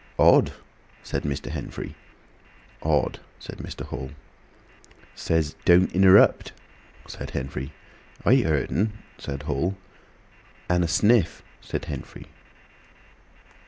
"Odd!" said Mr. Henfrey. "Odd!" said Mr. Hall. "Says, 'Don't interrupt,'" said Henfrey. "I heerd'n," said Hall. "And a sniff," said Henfrey.